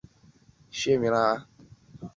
颗粒牛蛭为医蛭科牛蛭属的动物。